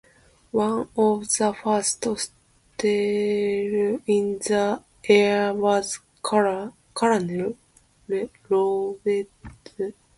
One of the first settlers in the area was Colonel Robert Clark.